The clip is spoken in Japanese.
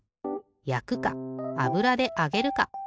やくかあぶらであげるか。